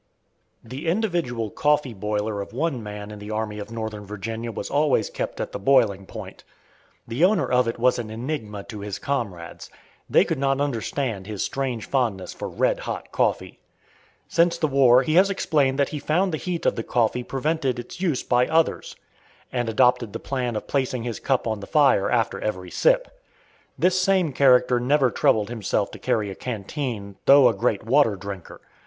The individual coffee boiler of one man in the Army of Northern Virginia was always kept at the boiling point. The owner of it was an enigma to his comrades. They could not understand his strange fondness for "red hot" coffee. Since the war he has explained that he found the heat of the coffee prevented its use by others, and adopted the plan of placing his cup on the fire after every sip. This same character never troubled himself to carry a canteen, though a great water drinker.